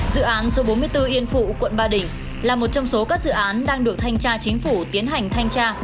dự án số bốn mươi bốn yên phụ quận ba đình là một trong số các dự án đang được thanh tra chính phủ tiến hành thanh tra